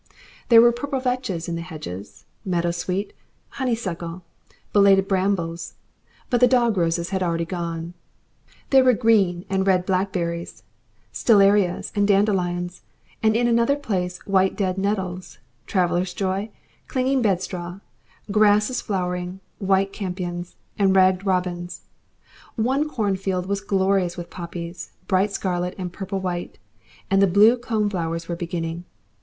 There were purple vetches in the hedges, meadowsweet, honeysuckle, belated brambles but the dog roses had already gone; there were green and red blackberries, stellarias, and dandelions, and in another place white dead nettles, traveller's joy, clinging bedstraw, grasses flowering, white campions, and ragged robins. One cornfield was glorious with poppies, bright scarlet and purple white, and the blue corn flowers were beginning.